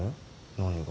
何が？